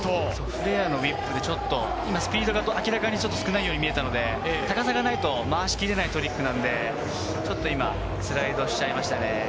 フレアのウィップはスピードが明らかに少ないように見えたので、高さがないと回しきれないトリックなので今、スライドしちゃいましたね。